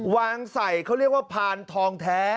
วางใส่เขาเรียกว่าพานทองแท้